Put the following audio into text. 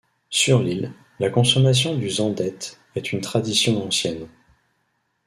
Sur l'île, la consommation du zendette est une tradition ancienne.